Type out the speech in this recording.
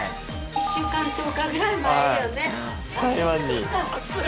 １週間１０日ぐらい前よね。